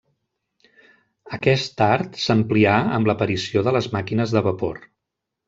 Aquest art s'amplià amb l'aparició de les màquines de vapor.